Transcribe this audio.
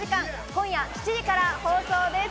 今夜７時から放送です。